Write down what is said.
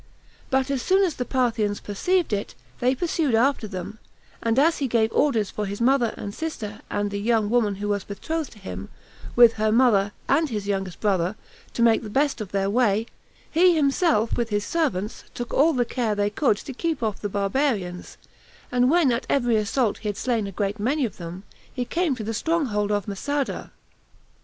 But as soon as the Parthians perceived it, they pursued after them; and as he gave orders for his mother, and sister, and the young woman who was betrothed to him, with her mother, and his youngest brother, to make the best of their way, he himself, with his servants, took all the care they could to keep off the barbarians; and when at every assault he had slain a great many of them, he came to the strong hold of Masada.